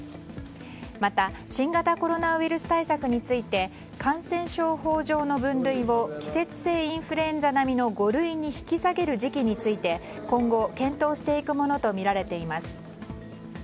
また新型コロナウイルス対策について感染症法上の分類を季節性インフルエンザ並みの五類に引き下げることについて今後検討していくものとみられています。